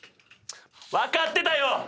分かってたよ！